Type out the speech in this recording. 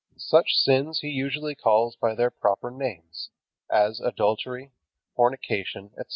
Such sins he usually calls by their proper names, as adultery, fornication, etc.